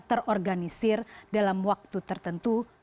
terorganisir dalam waktu tertentu